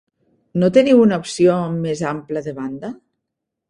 No teniu una opció amb més ample de banda?